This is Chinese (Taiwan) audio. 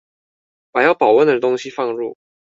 把要保溫的東西放入